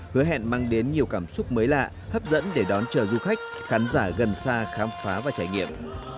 hứa hẹn mang đến nhiều cảm xúc mới lạ hấp dẫn để đón chờ du khách khán giả gần xa khám phá và trải nghiệm